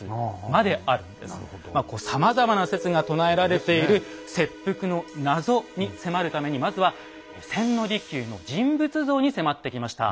まあこうさまざまな説が唱えられている切腹の謎に迫るためにまずは千利休の人物像に迫ってきました。